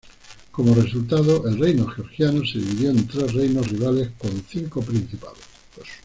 Como resultado, el reino georgiano se dividió en tres reinos rivales con cinco principados.